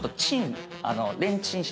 レンチンします。